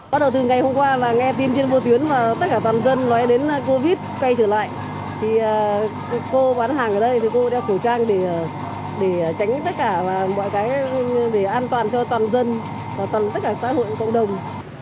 cô bán hàng ở đây thì cô đeo khẩu trang để tránh tất cả mọi cái để an toàn cho toàn dân toàn tất cả xã hội cộng đồng